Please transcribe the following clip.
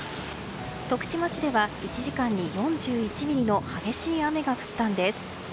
徳島市では１時間に４１ミリの激しい雨が降ったんです。